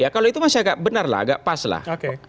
kalau itu masih agak benar lah agak pas lah